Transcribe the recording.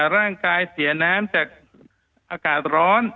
ร่างกายเสียน้ำจากอากาศร้อน